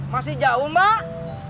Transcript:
masih jauh mbak